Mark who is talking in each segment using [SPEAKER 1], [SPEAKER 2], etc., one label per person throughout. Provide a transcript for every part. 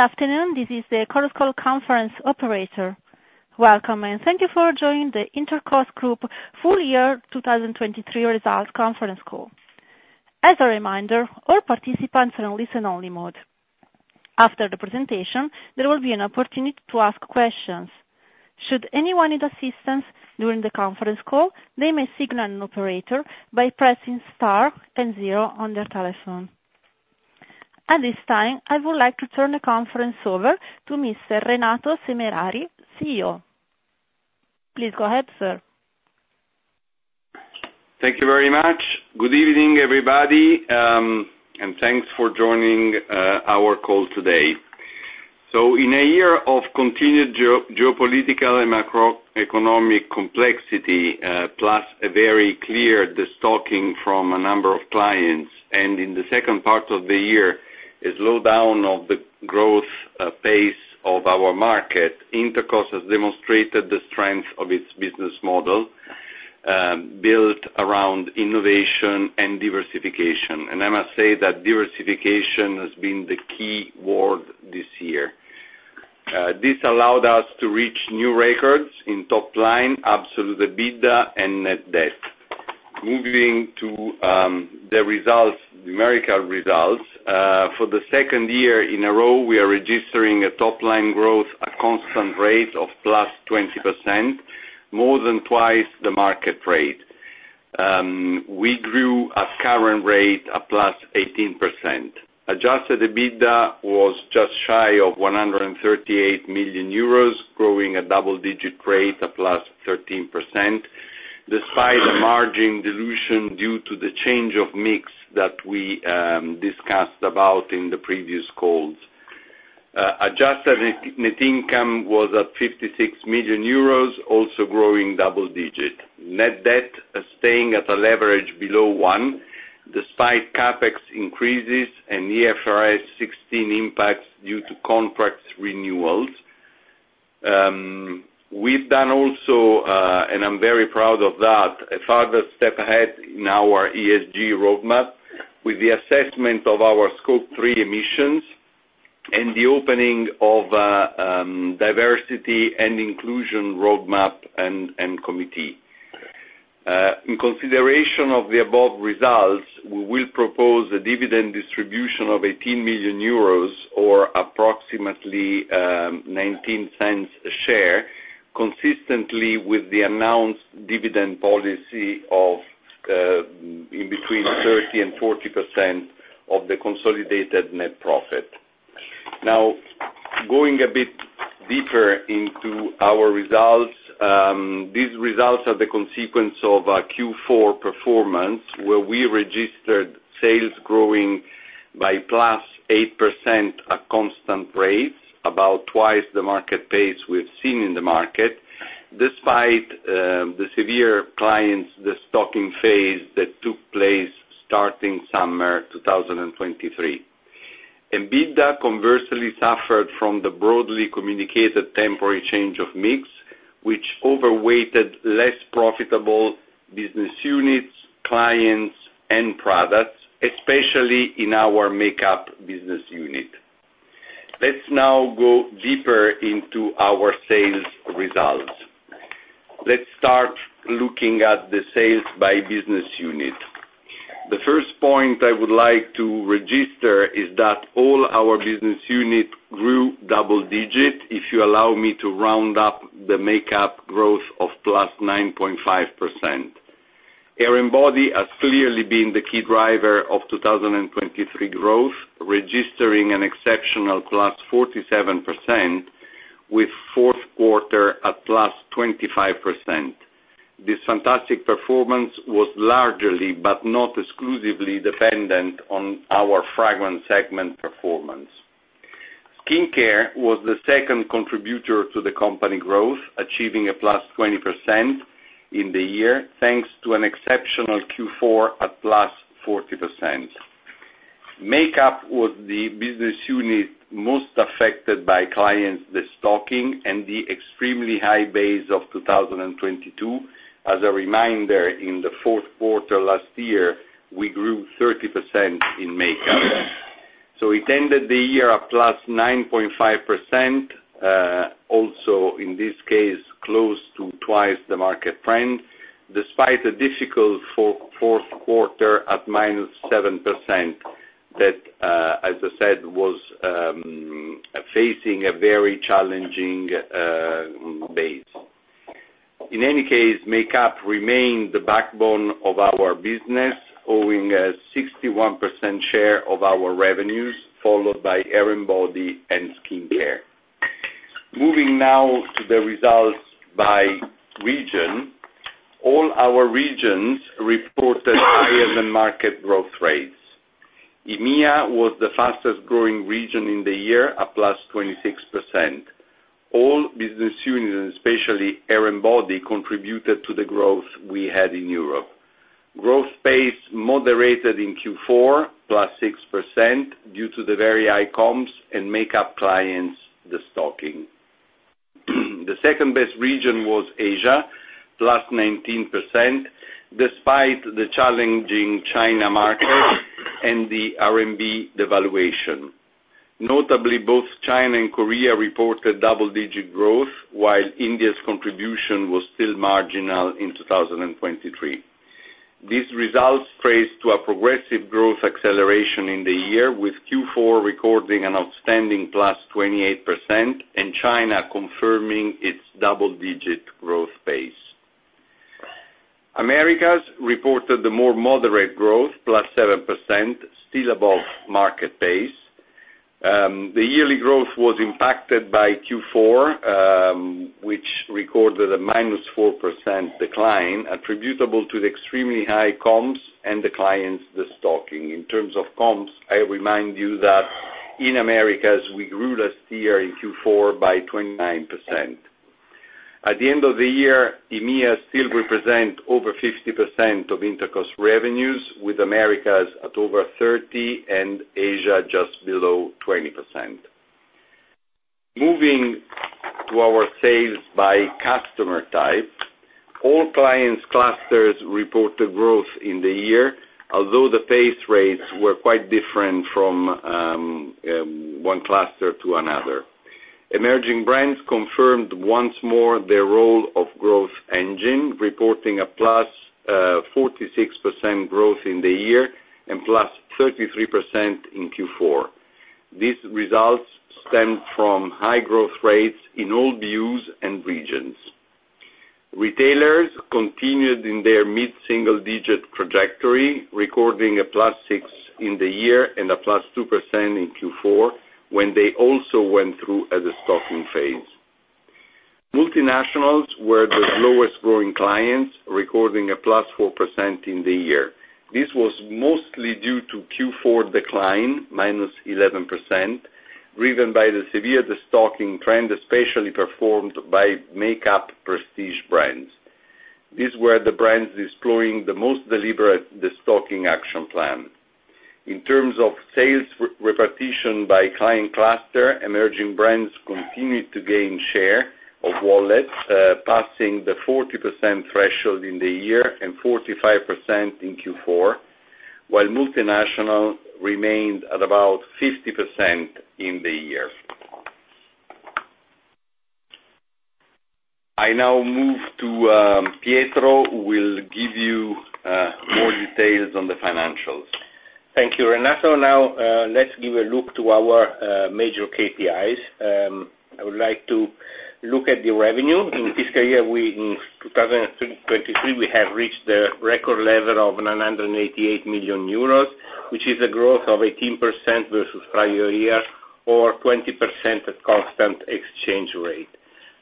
[SPEAKER 1] Good afternoon. This is the Chorus Call conference operator. Welcome, and thank you for joining the Intercos Group full year 2023 results conference call. As a reminder, all participants are in listen-only mode. After the presentation, there will be an opportunity to ask questions. Should anyone need assistance during the conference call, they may signal an operator by pressing star and zero on their telephone. At this time, I would like to turn the conference over to Mr. Renato Semerari, CEO. Please go ahead, sir.
[SPEAKER 2] Thank you very much. Good evening, everybody, and thanks for joining our call today. In a year of continued geopolitical and macroeconomic complexity, plus a very clear destocking from a number of clients, and in the second part of the year, a slowdown of the growth pace of our market, Intercos has demonstrated the strength of its business model built around innovation and diversification. And I must say that diversification has been the key word this year. This allowed us to reach new records in top line, absolute EBITDA, and net debt. Moving to the numerical results, for the second year in a row, we are registering a top line growth, a constant rate of +20%, more than twice the market rate. We grew at current rate of +18%. Adjusted EBITDA was just shy of 138 million euros, growing a double-digit rate of +13% despite a margin dilution due to the change of mix that we discussed about in the previous calls. Adjusted net income was at 56 million euros, also growing double-digit. Net debt is staying at a leverage below one despite CapEx increases and IFRS 16 impacts due to contracts renewals. We've done also, and I'm very proud of that, a further step ahead in our ESG roadmap with the assessment of our Scope Three Emissions and the opening of a diversity and inclusion roadmap and committee. In consideration of the above results, we will propose a dividend distribution of 18 million euros or approximately 0.19 a share, consistently with the announced dividend policy of in between 30% and 40% of the consolidated net profit. Now, going a bit deeper into our results, these results are the consequence of a Q4 performance where we registered sales growing by +8% at constant rates, about twice the market pace we've seen in the market despite the severe clients destocking phase that took place starting summer 2023. EBITDA conversely suffered from the broadly communicated temporary change of mix, which overweighted less profitable business units, clients, and products, especially in our makeup business unit. Let's now go deeper into our sales results. Let's start looking at the sales by business unit. The first point I would like to register is that all our business units grew double-digit, if you allow me to round up the makeup growth of +9.5%. Hair & Body has clearly been the key driver of 2023 growth, registering an exceptional +47% with fourth quarter at +25%. This fantastic performance was largely but not exclusively dependent on our fragrance segment performance. Skincare was the second contributor to the company growth, achieving a +20% in the year thanks to an exceptional Q4 at +40%. Makeup was the business unit most affected by clients destocking and the extremely high base of 2022. As a reminder, in the fourth quarter last year, we grew 30% in makeup. So it ended the year at +9.5%, also in this case, close to twice the market trend despite a difficult fourth quarter at -7% that, as I said, was facing a very challenging base. In any case, makeup remained the backbone of our business, owning a 61% share of our revenues, followed by Hair & Body and skincare. Moving now to the results by region, all our regions reported higher-than-market growth rates. EMEA was the fastest-growing region in the year, at +26%. All business units, especially Hair & Body, contributed to the growth we had in Europe. Growth pace moderated in Q4, +6% due to the very high comps and makeup clients destocking. The second-best region was Asia, +19% despite the challenging China market and the RMB devaluation. Notably, both China and Korea reported double-digit growth, while India's contribution was still marginal in 2023. These results presage a progressive growth acceleration in the year, with Q4 recording an outstanding +28% and China confirming its double-digit growth pace. Americas reported the more moderate growth, +7%, still above market pace. The yearly growth was impacted by Q4, which recorded a -4% decline attributable to the extremely high comps and the clients destocking. In terms of comps, I remind you that in Americas, we grew last year in Q4 by 29%. At the end of the year, EMEA still represents over 50% of Intercos revenues, with Americas at over 30% and Asia just below 20%. Moving to our sales by customer type, all clients' clusters reported growth in the year, although the pace rates were quite different from one cluster to another. Emerging Brands confirmed once more their role of growth engine, reporting a +46% growth in the year and +33% in Q4. These results stemmed from high growth rates in all BUs and regions. Retailers continued in their mid-single-digit trajectory, recording a +6% in the year and a +2% in Q4 when they also went through a destocking phase. Multinationals were the lowest-growing clients, recording a +4% in the year. This was mostly due to Q4 decline, -11%, driven by the severe destocking trend, especially performed by makeup Prestige Brands. These were the brands deploying the most deliberate destocking action plan. In terms of sales repartition by client cluster, emerging brands continued to gain share of wallets, passing the 40% threshold in the year and 45% in Q4, while multinationals remained at about 50% in the year. I now move to Pietro, who will give you more details on the financials.
[SPEAKER 3] Thank you, Renato. Now, let's give a look to our major KPIs. I would like to look at the revenue. In fiscal year 2023, we have reached the record level of 988 million euros, which is a growth of 18% versus prior year or 20% at constant exchange rate.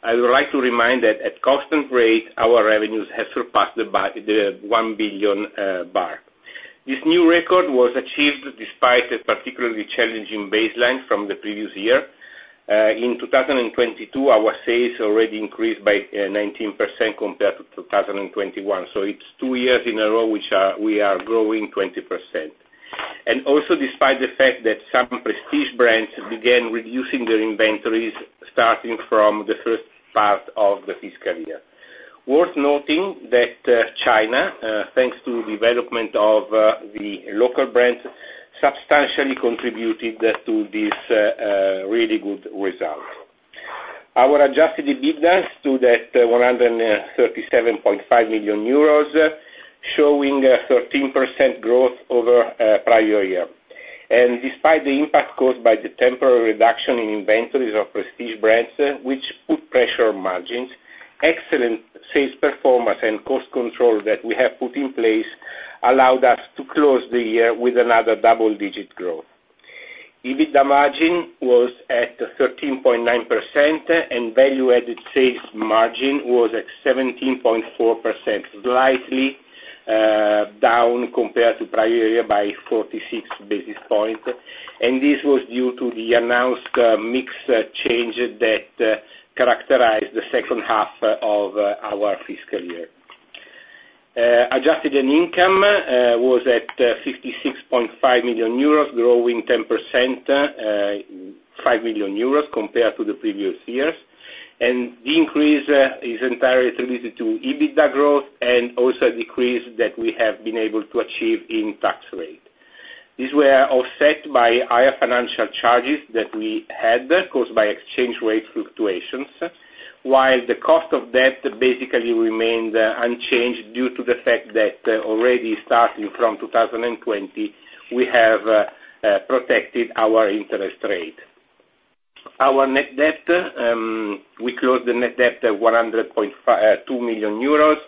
[SPEAKER 3] I would like to remind that at constant rate, our revenues have surpassed the 1 billion bar. This new record was achieved despite a particularly challenging baseline from the previous year. In 2022, our sales already increased by 19% compared to 2021. So it's two years in a row which we are growing 20%. And also despite the fact that some prestige brands began reducing their inventories starting from the first part of the fiscal year. Worth noting that China, thanks to the development of the local brands, substantially contributed to this really good result. Our Adjusted EBITDA stood at 137.5 million euros, showing a 13% growth over prior year. And despite the impact caused by the temporary reduction in inventories of prestige brands, which put pressure on margins, excellent sales performance and cost control that we have put in place allowed us to close the year with another double-digit growth. EBITDA margin was at 13.9%, and value-added sales margin was at 17.4%, slightly down compared to prior year by 46 basis points. And this was due to the announced mix change that characterized the second half of our fiscal year. Adjusted net income was at 56.5 million euros, growing 5 million euros compared to the previous years. And the increase is entirely attributed to EBITDA growth and also a decrease that we have been able to achieve in tax rate. These were offset by higher financial charges that we had caused by exchange rate fluctuations, while the cost of debt basically remained unchanged due to the fact that already starting from 2020, we have protected our interest rate. Our net debt, we closed the net debt at 102 million euros,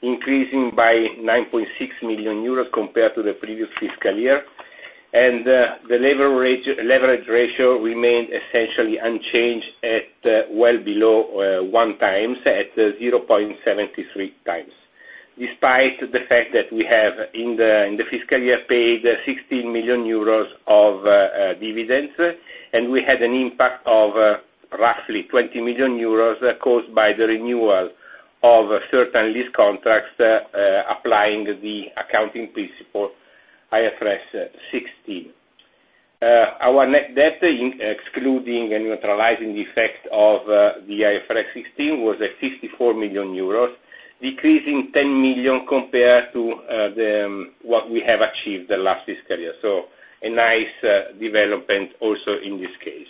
[SPEAKER 3] increasing by 9.6 million euros compared to the previous fiscal year. And the leverage ratio remained essentially unchanged at well below one times, at 0.73 times, despite the fact that we have in the fiscal year paid 16 million euros of dividends, and we had an impact of roughly 20 million euros caused by the renewal of certain lease contracts applying the accounting principle IFRS 16. Our net debt, excluding and neutralizing the effect of the IFRS 16, was at 54 million euros, decreasing 10 million compared to what we have achieved the last fiscal year. So a nice development also in this case.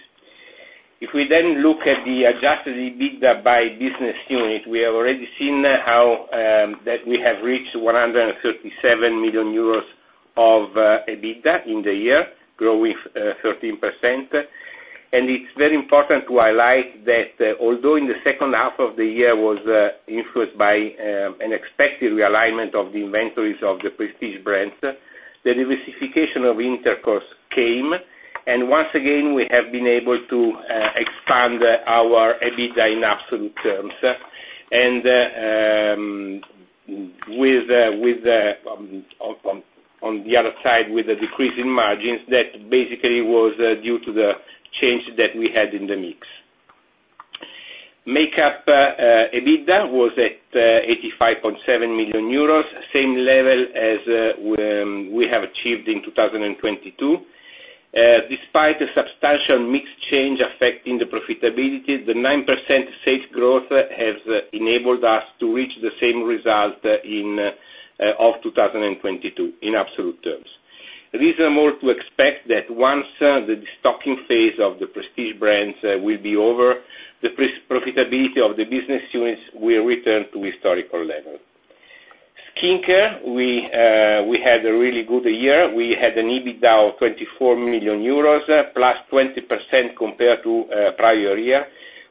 [SPEAKER 3] If we then look at the Adjusted EBITDA by business unit, we have already seen that we have reached 137 million euros of EBITDA in the year, growing 13%. It's very important to highlight that although in the second half of the year was influenced by an expected realignment of the inventories of the prestige brands, the diversification of Intercos came. Once again, we have been able to expand our EBITDA in absolute terms. On the other side, with a decrease in margins, that basically was due to the change that we had in the mix. Makeup EBITDA was at 85.7 million euros, same level as we have achieved in 2022. Despite a substantial mix change affecting the profitability, the 9% sales growth has enabled us to reach the same result of 2022 in absolute terms. Reasonable to expect that once the destocking phase of the prestige brands will be over, the profitability of the business units will return to historical level. Skincare, we had a really good year. We had an EBITDA of 24 million euros, plus 20% compared to prior year,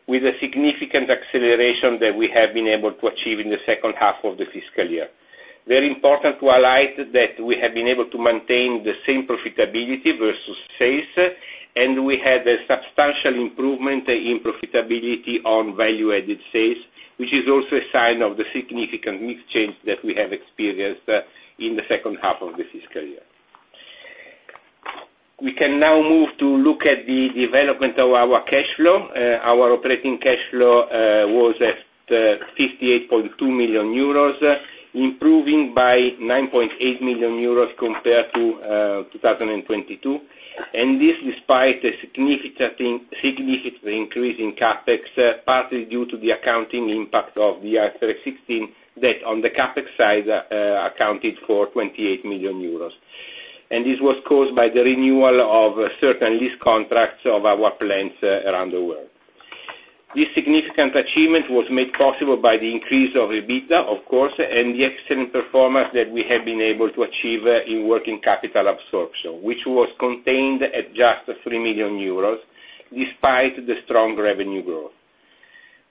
[SPEAKER 3] with a significant acceleration that we have been able to achieve in the second half of the fiscal year. Very important to highlight that we have been able to maintain the same profitability versus sales, and we had a substantial improvement in profitability on value-added sales, which is also a sign of the significant mix change that we have experienced in the second half of the fiscal year. We can now move to look at the development of our cash flow. Our operating cash flow was at 58.2 million euros, improving by 9.8 million euros compared to 2022. This despite a significant increase in CapEx, partly due to the accounting impact of the IFRS 16 that on the CapEx side accounted for 28 million euros. This was caused by the renewal of certain lease contracts of our plants around the world. This significant achievement was made possible by the increase of EBITDA, of course, and the excellent performance that we have been able to achieve in working capital absorption, which was contained at just 3 million euros despite the strong revenue growth.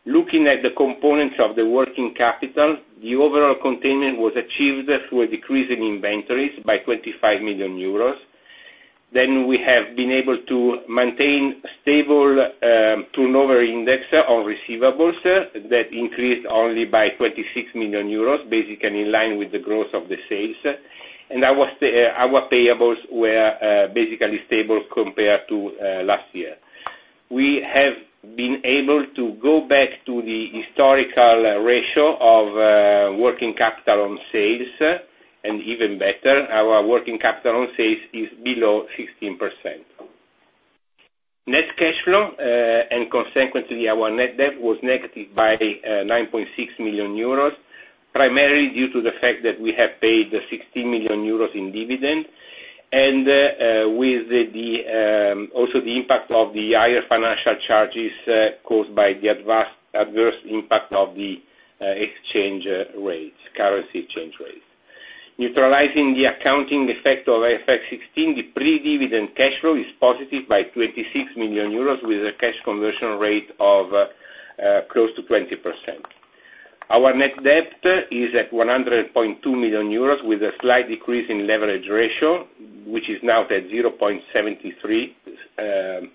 [SPEAKER 3] Looking at the components of the working capital, the overall containment was achieved through a decrease in inventories by 25 million euros. We have been able to maintain a stable turnover index on receivables that increased only by 26 million euros, basically in line with the growth of the sales. Our payables were basically stable compared to last year. We have been able to go back to the historical ratio of working capital on sales, and even better, our working capital on sales is below 16%. Net cash flow and consequently, our net debt was negative by 9.6 million euros, primarily due to the fact that we have paid 16 million euros in dividend and also the impact of the higher financial charges caused by the adverse impact of the exchange rates, currency exchange rates. Neutralizing the accounting effect of IFRS 16, the pre-dividend cash flow is positive by 26 million euros with a cash conversion rate of close to 20%. Our net debt is at 100.2 million euros with a slight decrease in leverage ratio, which is now at 0.73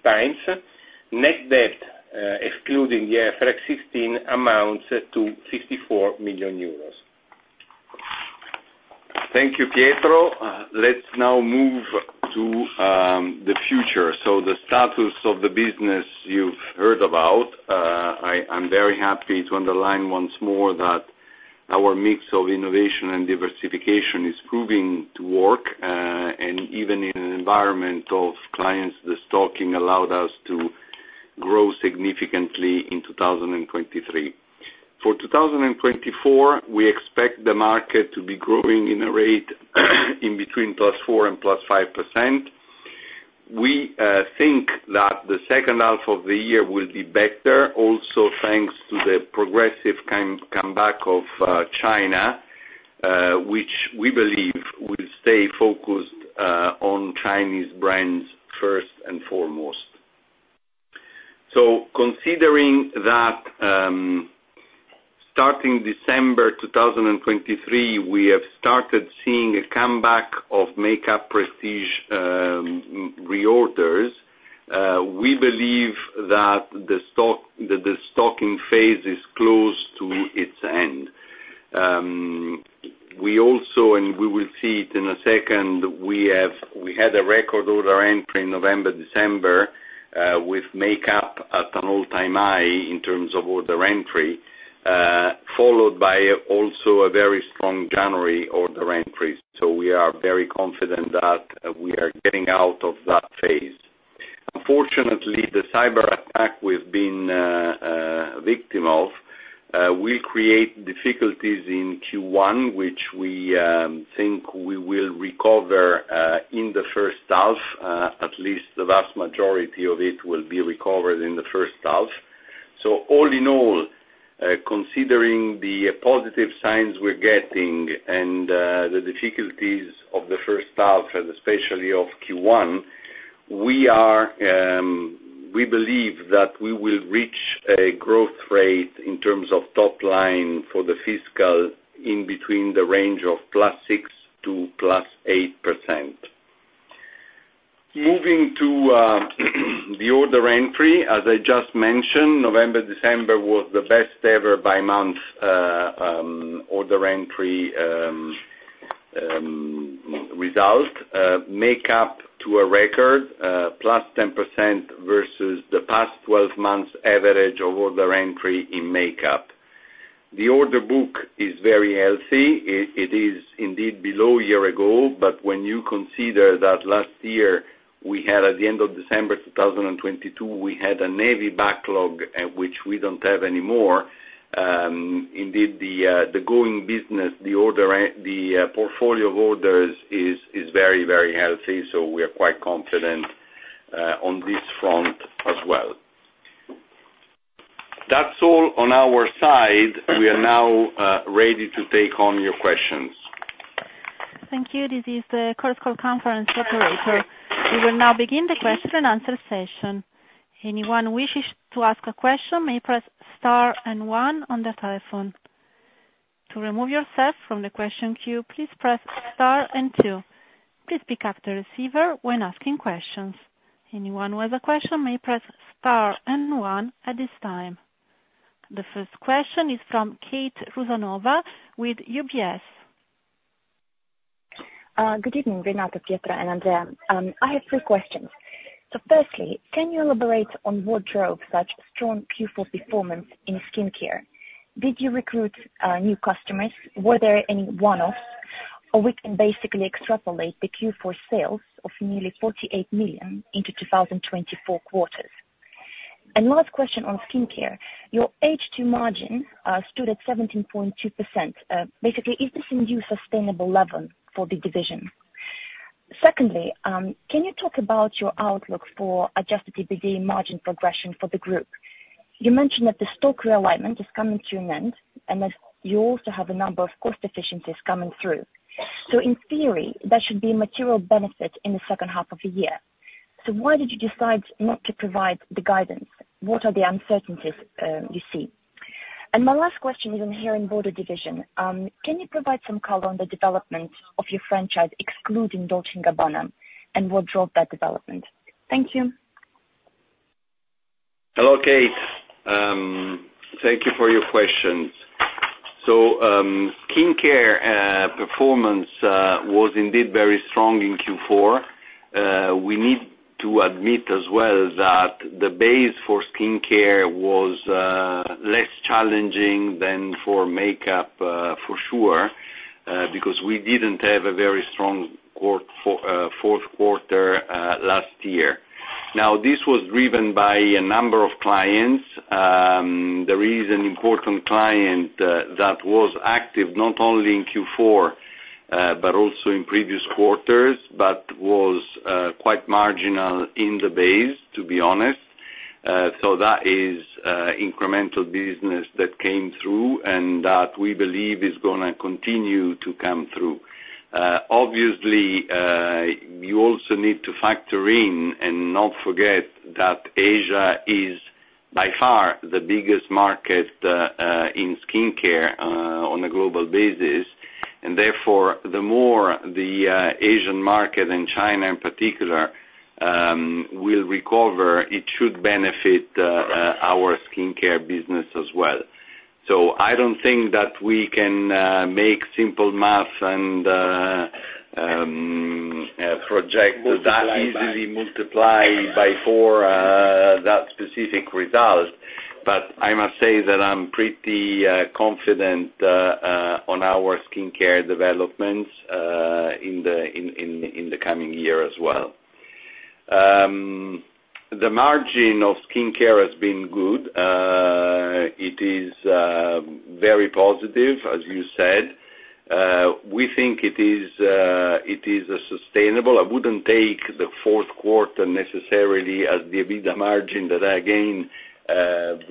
[SPEAKER 3] times. Net debt, excluding the IFRS 16, amounts to 54 million euros.
[SPEAKER 2] Thank you, Pietro. Let's now move to the future. So the status of the business you've heard about, I'm very happy to underline once more that our mix of innovation and diversification is proving to work. And even in an environment of clients destocking, allowed us to grow significantly in 2023. For 2024, we expect the market to be growing in a rate in between +4% and +5%. We think that the second half of the year will be better, also thanks to the progressive comeback of China, which we believe will stay focused on Chinese brands first and foremost. So considering that starting December 2023, we have started seeing a comeback of makeup prestige reorders, we believe that the stocking phase is close to its end. We also and we will see it in a second. We had a record order entry in November, December with makeup at an all-time high in terms of order entry, followed by also a very strong January order entry. So we are very confident that we are getting out of that phase. Unfortunately, the cyberattack we've been victim of will create difficulties in Q1, which we think we will recover in the first half. At least the vast majority of it will be recovered in the first half. So all in all, considering the positive signs we're getting and the difficulties of the first half, especially of Q1, we believe that we will reach a growth rate in terms of top line for the fiscal in between the range of +6% to +8%. Moving to the order entry, as I just mentioned, November, December was the best-ever by month order entry result. Makeup to a record, plus 10% versus the past 12 months' average of order entry in makeup. The order book is very healthy. It is indeed below a year ago. But when you consider that last year, at the end of December 2022, we had a heavy backlog, which we don't have anymore, indeed, the going business, the portfolio of orders is very, very healthy. So we are quite confident on this front as well. That's all on our side. We are now ready to take on your questions.
[SPEAKER 1] Thank you. This is the Chorus Call Conference Operator. We will now begin the question and answer session. Anyone wishing to ask a question may press star and one on the telephone. To remove yourself from the question queue, please press star and two. Please pick up the receiver when asking questions. Anyone who has a question may press star and one at this time. The first question is from Kate Rusanova with UBS.
[SPEAKER 4] Good evening, Renato, Pietro, and Andrea. I have three questions. So firstly, can you elaborate on what drove such strong Q4 performance in skincare? Did you recruit new customers? Were there any one-offs? Or we can basically extrapolate the Q4 sales of nearly 48 million into 2024 quarters. And last question on skincare, your H2 margin stood at 17.2%. Basically, is this a new sustainable level for the division? Secondly, can you talk about your outlook for Adjusted EBITDA margin progression for the group? You mentioned that the stock realignment is coming to an end and that you also have a number of cost efficiencies coming through. So in theory, that should be a material benefit in the second half of the year. So why did you decide not to provide the guidance? What are the uncertainties you see? And my last question is on the Hair and Body Division. Can you provide some color on the development of your franchise excluding Dolce & Gabbana and what drove that development? Thank you.
[SPEAKER 2] Hello, Kate. Thank you for your questions. So skincare performance was indeed very strong in Q4. We need to admit as well that the base for skincare was less challenging than for makeup, for sure, because we didn't have a very strong fourth quarter last year. Now, this was driven by a number of clients. There is an important client that was active not only in Q4 but also in previous quarters but was quite marginal in the base, to be honest. So that is incremental business that came through and that we believe is going to continue to come through. Obviously, you also need to factor in and not forget that Asia is by far the biggest market in skincare on a global basis. And therefore, the more the Asian market and China in particular will recover, it should benefit our skincare business as well. So I don't think that we can make simple math and project that easily multiply by 4 that specific result. But I must say that I'm pretty confident on our skincare developments in the coming year as well. The margin of skincare has been good. It is very positive, as you said. We think it is sustainable. I wouldn't take the fourth quarter necessarily as the EBITDA margin that, again,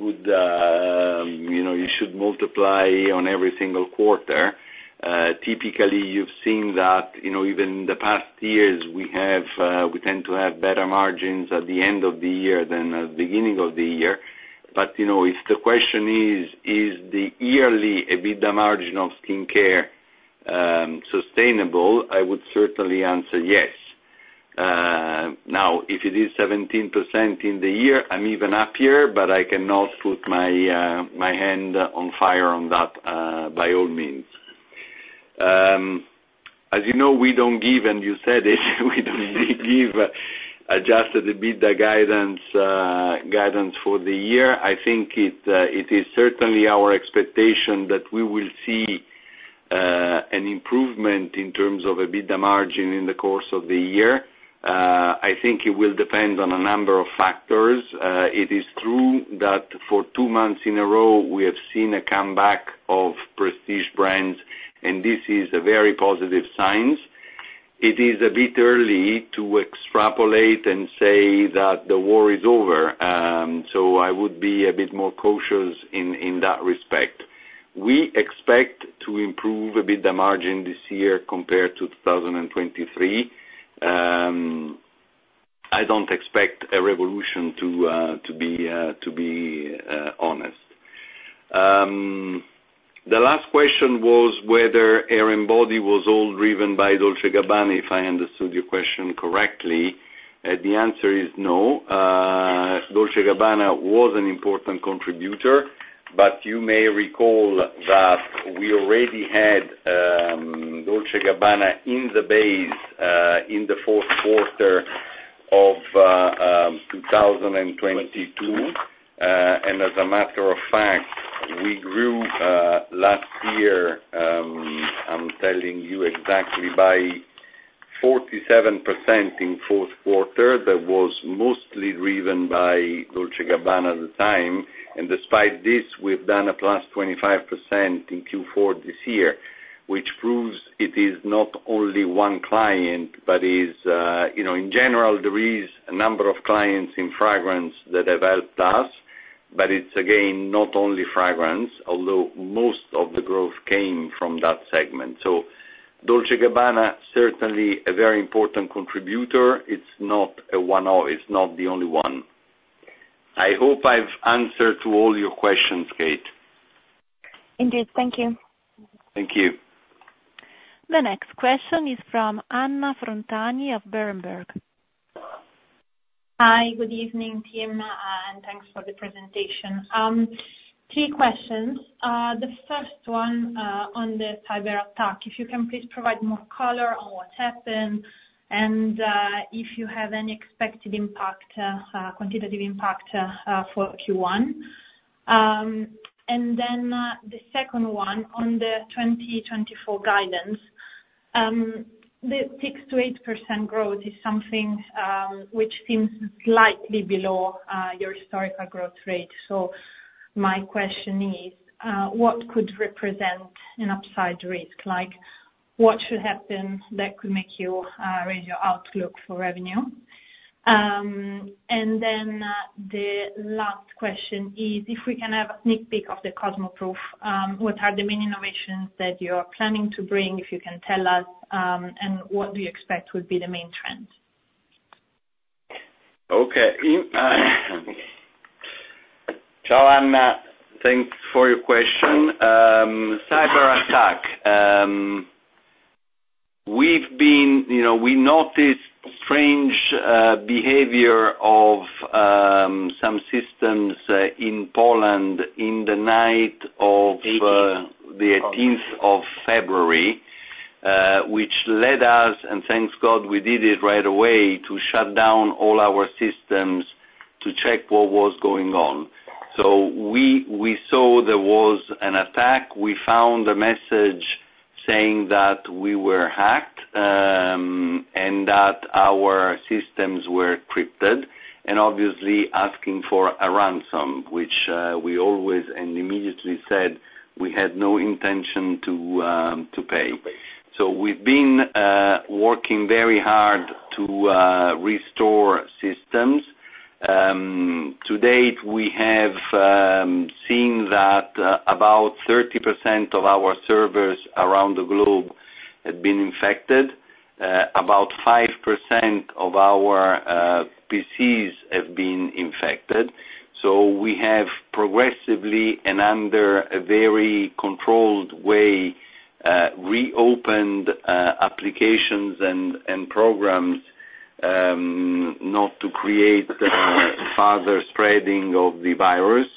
[SPEAKER 2] you should multiply on every single quarter. Typically, you've seen that even in the past years, we tend to have better margins at the end of the year than at the beginning of the year. But if the question is, is the yearly EBITDA margin of skincare sustainable, I would certainly answer yes. Now, if it is 17% in the year, I'm even up here, but I cannot put my hand on fire on that by all means. As you know, we don't give and you said it, we don't give Adjusted EBITDA guidance for the year. I think it is certainly our expectation that we will see an improvement in terms of EBITDA margin in the course of the year. I think it will depend on a number of factors. It is true that for two months in a row, we have seen a comeback of prestige brands, and this is a very positive sign. It is a bit early to extrapolate and say that the war is over. So I would be a bit more cautious in that respect. We expect to improve EBITDA margin this year compared to 2023. I don't expect a revolution, to be honest. The last question was whether hair and body was all driven by Dolce & Gabbana, if I understood your question correctly. The answer is no. Dolce & Gabbana was an important contributor, but you may recall that we already had Dolce & Gabbana in the base in the fourth quarter of 2022. And as a matter of fact, we grew last year, I'm telling you exactly, by 47% in fourth quarter. That was mostly driven by Dolce & Gabbana at the time. And despite this, we've done a +25% in Q4 this year, which proves it is not only one client but is in general, there is a number of clients in fragrance that have helped us. But it's, again, not only fragrance, although most of the growth came from that segment. So Dolce & Gabbana, certainly a very important contributor. It's not a one-off. It's not the only one. I hope I've answered all your questions, Kate.
[SPEAKER 4] Indeed. Thank you.
[SPEAKER 2] Thank you.
[SPEAKER 1] The next question is from Anna Frontani of Berenberg.
[SPEAKER 5] Hi. Good evening, team, and thanks for the presentation. Three questions. The first one on the cyberattack, if you can please provide more color on what happened and if you have any expected quantitative impact for Q1. And then the second one on the 2024 guidance. The 6% to 8% growth is something which seems slightly below your historical growth rate. So my question is, what could represent an upside risk? What should happen that could make you raise your outlook for revenue? And then the last question is, if we can have a sneak peek of the Cosmoprof, what are the main innovations that you are planning to bring, if you can tell us, and what do you expect would be the main trends?
[SPEAKER 2] Okay. Ciao, Anna. Thanks for your question. Cyberattack, we noticed strange behavior of some systems in Poland in the night of the 18th of February, which led us, and thank God we did it right away, to shut down all our systems to check what was going on. So we saw there was an attack. We found a message saying that we were hacked and that our systems were encrypted and obviously asking for a ransom, which we always and immediately said we had no intention to pay. So we've been working very hard to restore systems. To date, we have seen that about 30% of our servers around the globe had been infected. About 5% of our PCs have been infected. So we have progressively and under a very controlled way reopened applications and programs not to create further spreading of the virus.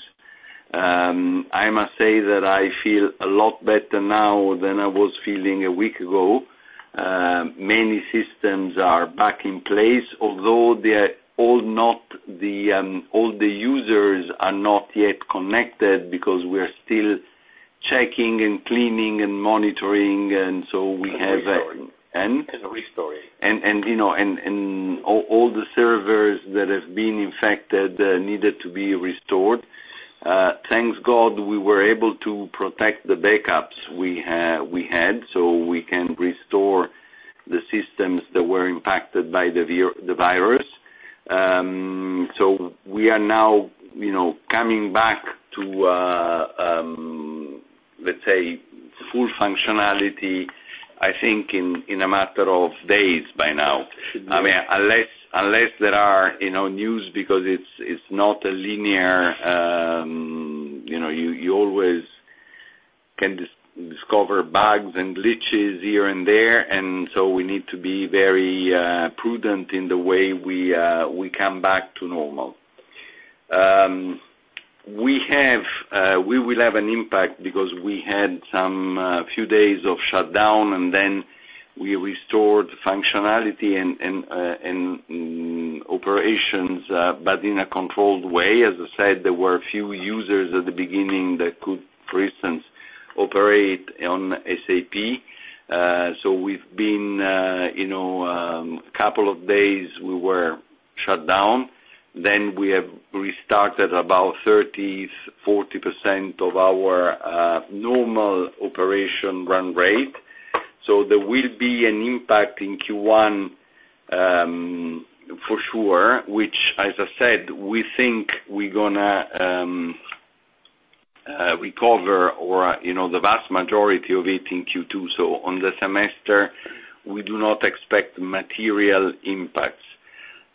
[SPEAKER 2] I must say that I feel a lot better now than I was feeling a week ago. Many systems are back in place, although all the users are not yet connected because we are still checking and cleaning and monitoring and restoring. All the servers that have been infected needed to be restored. Thank God we were able to protect the backups we had so we can restore the systems that were impacted by the virus. So we are now coming back to, let's say, full functionality, I think, in a matter of days by now. I mean, unless there are news because it's not a linear you always can discover bugs and glitches here and there. And so we need to be very prudent in the way we come back to normal. We will have an impact because we had some few days of shutdown, and then we restored functionality and operations, but in a controlled way. As I said, there were a few users at the beginning that could, for instance, operate on SAP. So we've been a couple of days, we were shut down. Then we have restarted about 30% to 40% of our normal operation run rate. So there will be an impact in Q1, for sure, which, as I said, we think we're going to recover or the vast majority of it in Q2. So on the semester, we do not expect material impacts.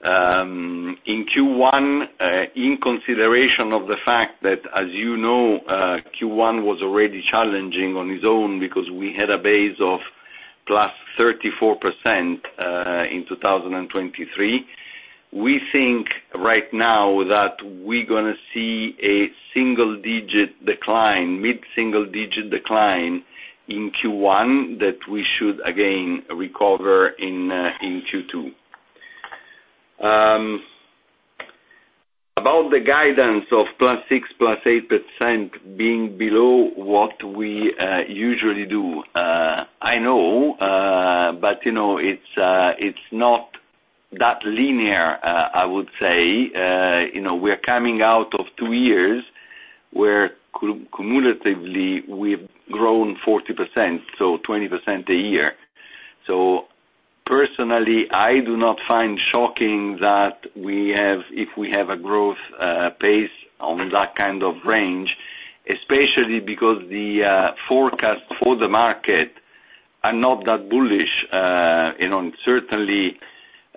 [SPEAKER 2] In Q1, in consideration of the fact that, as you know, Q1 was already challenging on its own because we had a base of +34% in 2023, we think right now that we're going to see a mid-single-digit decline in Q1 that we should, again, recover in Q2. About the guidance of +6% to +8% being below what we usually do, I know, but it's not that linear, I would say. We are coming out of two years where, cumulatively, we've grown 40%, so 20% a year. So personally, I do not find shocking that if we have a growth pace on that kind of range, especially because the forecasts for the market are not that bullish, certainly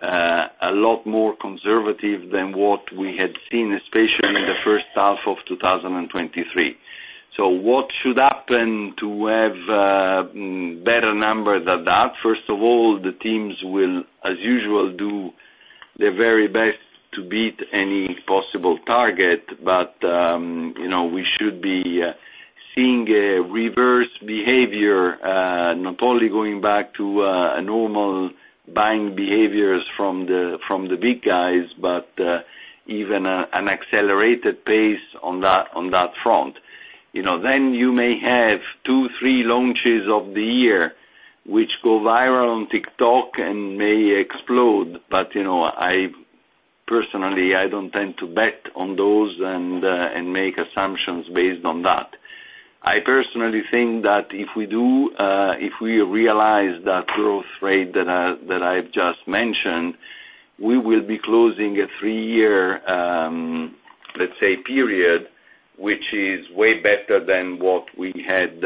[SPEAKER 2] a lot more conservative than what we had seen, especially in the first half of 2023. So what should happen to have better numbers than that? First of all, the teams will, as usual, do their very best to beat any possible target. But we should be seeing a reverse behavior, not only going back to normal buying behaviors from the big guys but even an accelerated pace on that front. Then you may have 2, 3 launches of the year which go viral on TikTok and may explode. But personally, I don't tend to bet on those and make assumptions based on that. I personally think that if we realize that growth rate that I've just mentioned, we will be closing a 3-year, let's say, period, which is way better than what we had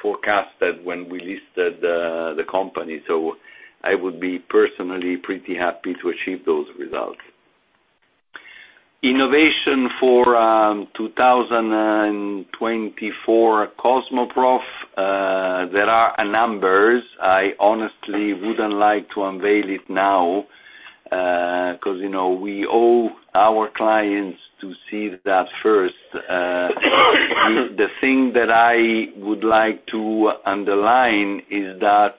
[SPEAKER 2] forecasted when we listed the company. So I would be personally pretty happy to achieve those results. Innovation for 2024 Cosmoprof, there are numbers. I honestly wouldn't like to unveil it now because we owe our clients to see that first. The thing that I would like to underline is that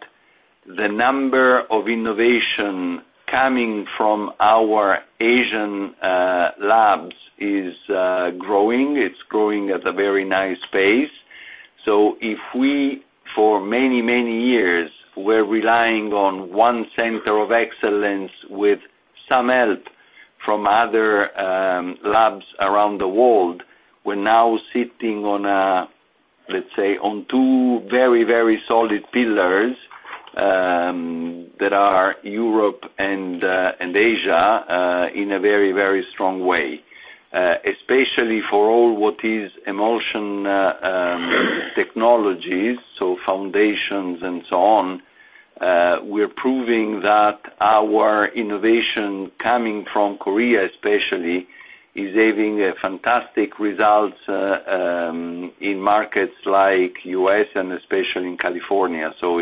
[SPEAKER 2] the number of innovation coming from our Asian labs is growing. It's growing at a very nice pace. So if we, for many, many years, were relying on one center of excellence with some help from other labs around the world, we're now sitting on, let's say, on two very, very solid pillars that are Europe and Asia in a very, very strong way, especially for all what is emulsion technologies, so foundations and so on. We're proving that our innovation coming from Korea, especially, is having fantastic results in markets like U.S. and especially in California. So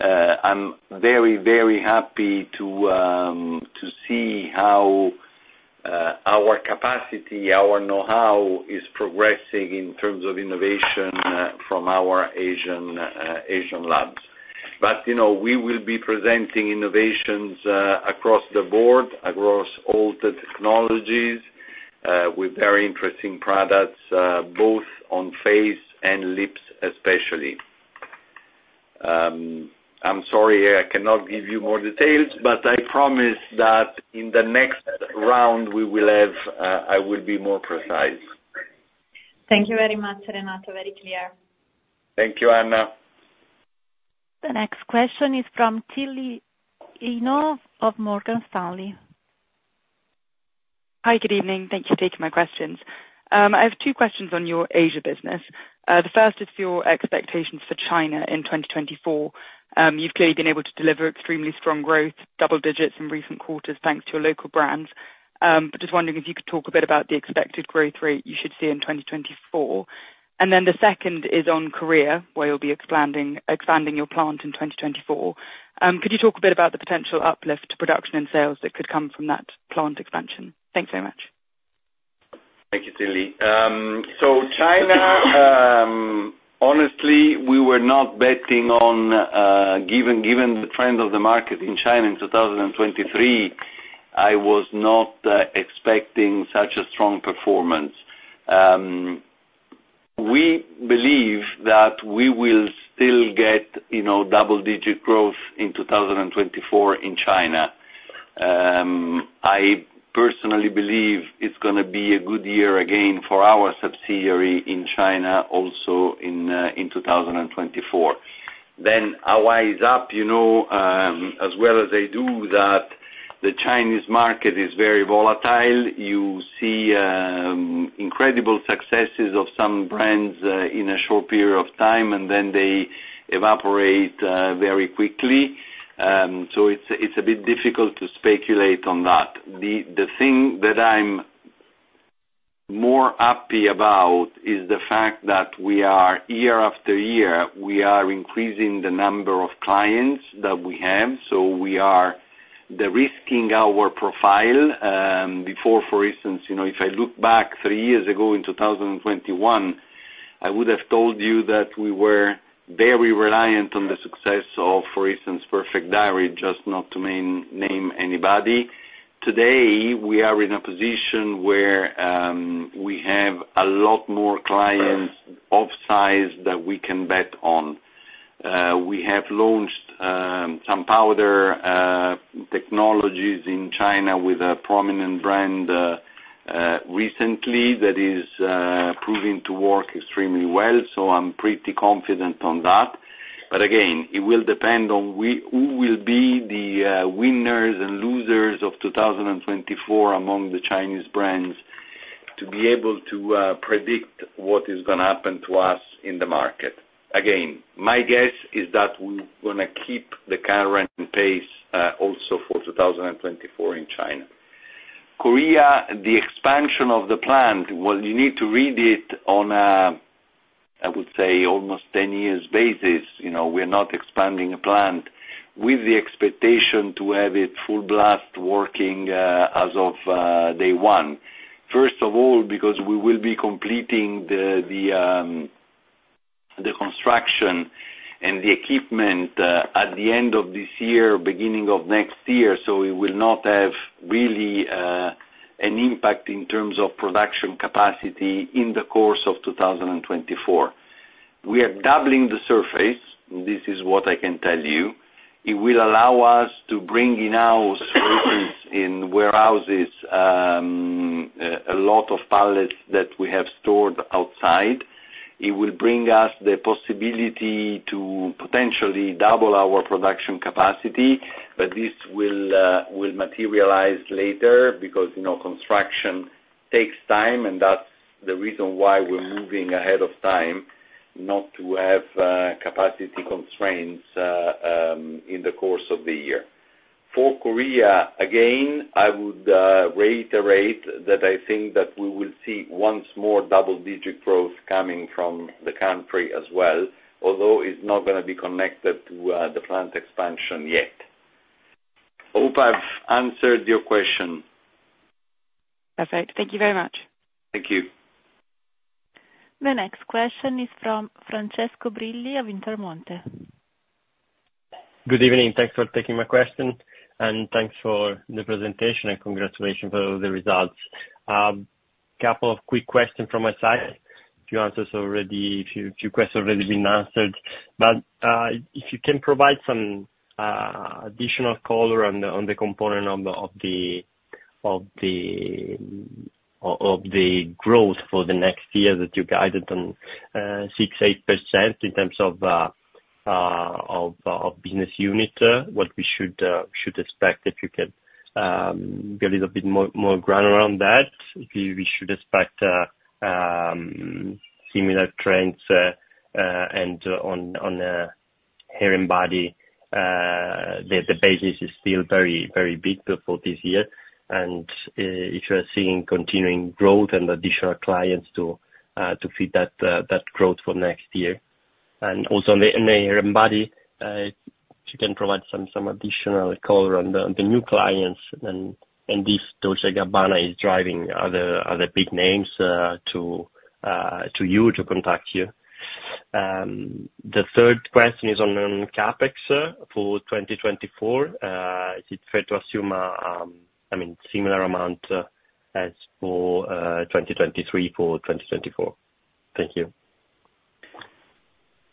[SPEAKER 2] I'm very, very happy to see how our capacity, our know-how is progressing in terms of innovation from our Asian labs. We will be presenting innovations across the board, across all the technologies with very interesting products, both on face and lips, especially. I'm sorry I cannot give you more details, but I promise that in the next round, I will be more precise.
[SPEAKER 5] Thank you very much, Renato. Very clear.
[SPEAKER 2] Thank you, Anna.
[SPEAKER 1] The next question is from Tilly Ennion of Morgan Stanley.
[SPEAKER 6] Hi. Good evening. Thank you for taking my questions. I have two questions on your Asia business. The first is your expectations for China in 2024. You've clearly been able to deliver extremely strong growth, double digits in recent quarters thanks to your local brands. But just wondering if you could talk a bit about the expected growth rate you should see in 2024. And then the second is on Korea, where you'll be expanding your plant in 2024. Could you talk a bit about the potential uplift to production and sales that could come from that plant expansion? Thanks very much.
[SPEAKER 2] Thank you, Tilly. So, China, honestly, we were not betting on given the trend of the market in China in 2023. I was not expecting such a strong performance. We believe that we will still get double-digit growth in 2024 in China. I personally believe it's going to be a good year again for our subsidiary in China also in 2024. Then, however, as well as they do, that the Chinese market is very volatile. You see incredible successes of some brands in a short period of time, and then they evaporate very quickly. So it's a bit difficult to speculate on that. The thing that I'm more happy about is the fact that year after year, we are increasing the number of clients that we have. So we are raising our profile. Before, for instance, if I look back three years ago in 2021, I would have told you that we were very reliant on the success of, for instance, Perfect Diary, just not to name anybody. Today, we are in a position where we have a lot more clients of size that we can bet on. We have launched some powder technologies in China with a prominent brand recently that is proving to work extremely well. So I'm pretty confident on that. But again, it will depend on who will be the winners and losers of 2024 among the Chinese brands to be able to predict what is going to happen to us in the market. Again, my guess is that we're going to keep the current pace also for 2024 in China. Korea, the expansion of the plant, well, you need to read it on a, I would say, almost 10-year basis. We're not expanding a plant with the expectation to have it full-blast working as of day one, first of all, because we will be completing the construction and the equipment at the end of this year, beginning of next year. So it will not have really an impact in terms of production capacity in the course of 2024. We are doubling the surface. This is what I can tell you. It will allow us to bring in-house, for instance, in warehouses a lot of pallets that we have stored outside. It will bring us the possibility to potentially double our production capacity. But this will materialize later because construction takes time, and that's the reason why we're moving ahead of time, not to have capacity constraints in the course of the year. For Korea, again, I would reiterate that I think that we will see once more double-digit growth coming from the country as well, although it's not going to be connected to the plant expansion yet. I hope I've answered your question.
[SPEAKER 6] Perfect. Thank you very much.
[SPEAKER 2] Thank you.
[SPEAKER 1] The next question is from Francesco Brilli of Intermonte.
[SPEAKER 7] Good evening. Thanks for taking my question, and thanks for the presentation, and congratulations for all the results. A couple of quick questions from my side. A few questions already been answered. But if you can provide some additional color on the component of the growth for the next year that you guided on 6% to 8% in terms of business unit, what we should expect, if you can be a little bit more ground around that, we should expect similar trends. And on hair and body, the basis is still very, very big for this year. And if you are seeing continuing growth and additional clients to feed that growth for next year. And also on the hair and body, if you can provide some additional color on the new clients, then indeed, Dolce & Gabbana is driving other big names to you, to contact you. The third question is on CapEx for 2024. Is it fair to assume, I mean, similar amount as for 2023 for 2024? Thank you.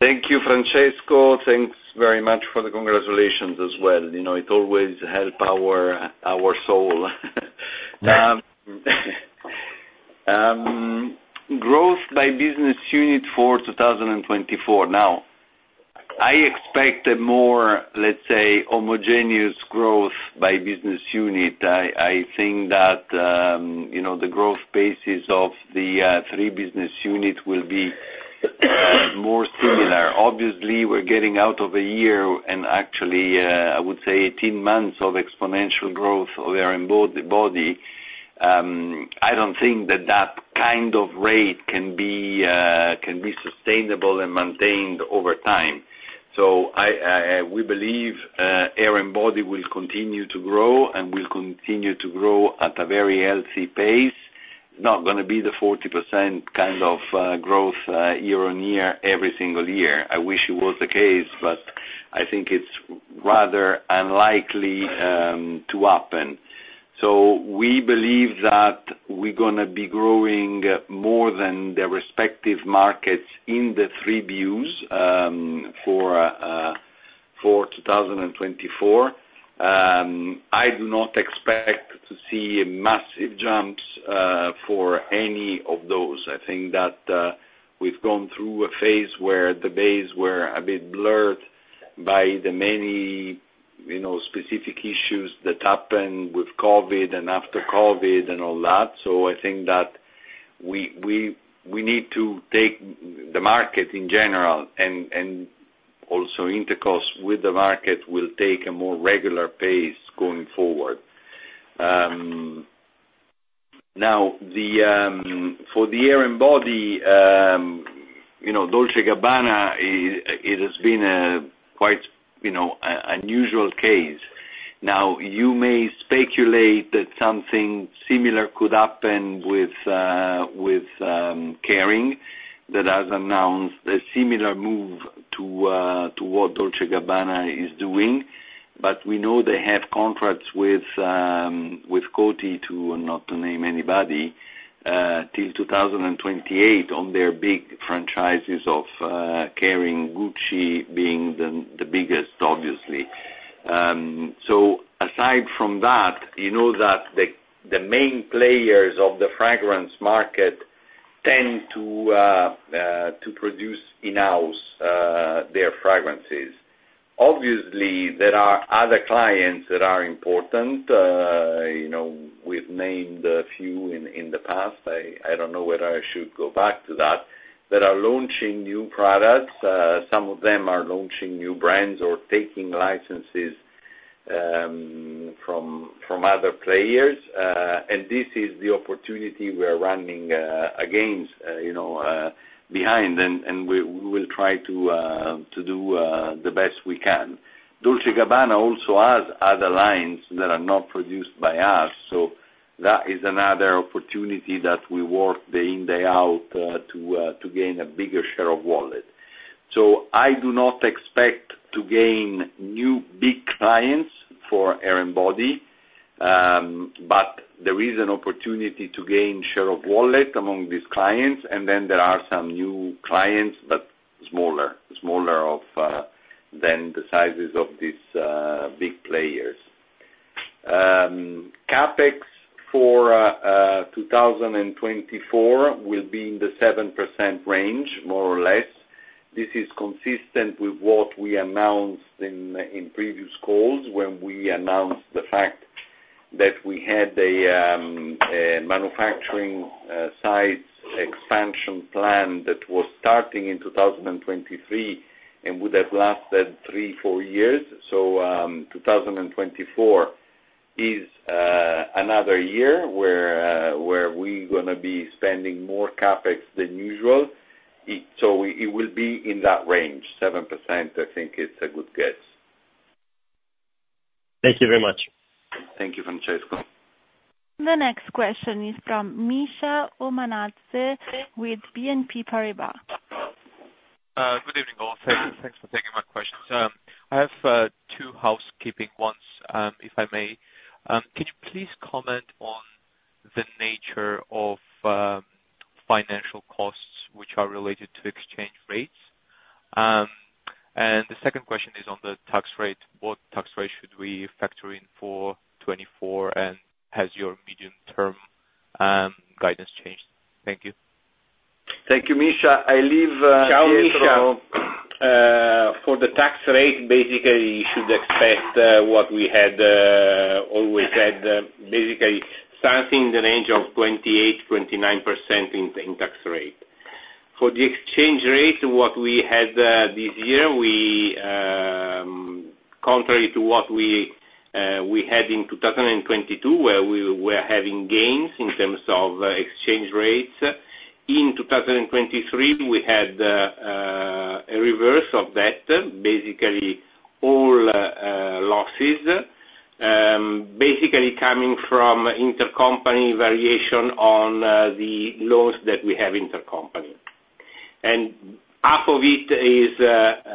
[SPEAKER 2] Thank you, Francesco. Thanks very much for the congratulations as well. It always helps our soul. Growth by business unit for 2024. Now, I expect a more, let's say, homogeneous growth by business unit. I think that the growth basis of the three business units will be more similar. Obviously, we're getting out of a year and actually, I would say, 18 months of exponential growth of hair and body. I don't think that that kind of rate can be sustainable and maintained over time. So we believe hair and body will continue to grow and will continue to grow at a very healthy pace. It's not going to be the 40% kind of growth year-on-year every single year. I wish it was the case, but I think it's rather unlikely to happen. So we believe that we're going to be growing more than the respective markets in the three views for 2024. I do not expect to see massive jumps for any of those. I think that we've gone through a phase where the base were a bit blurred by the many specific issues that happened with COVID and after COVID and all that. So I think that we need to take the market in general and also Intercos with the market will take a more regular pace going forward. Now, for the hair and body, Dolce & Gabbana, it has been quite an unusual case. Now, you may speculate that something similar could happen with Kering that has announced a similar move to what Dolce & Gabbana is doing. But we know they have contracts with Coty too, not to name anybody, till 2028 on their big franchises of Kering, Gucci being the biggest, obviously. So aside from that, you know that the main players of the fragrance market tend to produce in-house their fragrances. Obviously, there are other clients that are important. We've named a few in the past. I don't know whether I should go back to that. They are launching new products. Some of them are launching new brands or taking licenses from other players. And this is the opportunity we are running against behind, and we will try to do the best we can. Dolce & Gabbana also has other lines that are not produced by us. So that is another opportunity that we work day in, day out to gain a bigger share of wallet. I do not expect to gain new big clients for hair and body. There is an opportunity to gain share of wallet among these clients. Then there are some new clients, but smaller than the sizes of these big players. CapEx for 2024 will be in the 7% range, more or less. This is consistent with what we announced in previous calls when we announced the fact that we had a manufacturing sites expansion plan that was starting in 2023 and would have lasted 3 to 4 years. 2024 is another year where we're going to be spending more CapEx than usual. It will be in that range, 7%. I think it's a good guess.
[SPEAKER 7] Thank you very much.
[SPEAKER 2] Thank you, Francesco.
[SPEAKER 1] The next question is from Misha Omanadze with BNP Paribas.
[SPEAKER 8] Good evening all. Thanks for taking my questions. I have two housekeeping ones, if I may. Can you please comment on the nature of financial costs which are related to exchange rates? And the second question is on the tax rate. What tax rate should we factor in for 2024, and has your medium-term guidance changed? Thank you.
[SPEAKER 2] Thank you, Misha. I leave here from.
[SPEAKER 8] Ciao, Misha.
[SPEAKER 2] For the tax rate, basically, you should expect what we always had, basically, something in the range of 28% to 29% in tax rate. For the exchange rate, what we had this year, contrary to what we had in 2022, where we were having gains in terms of exchange rates, in 2023, we had a reverse of that, basically all losses, basically coming from intercompany variation on the loans that we have intercompany. And half of it is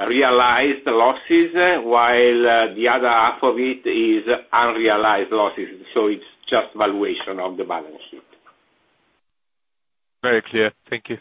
[SPEAKER 2] realized losses, while the other half of it is unrealized losses. So it's just valuation of the balance sheet.
[SPEAKER 8] Very clear. Thank you.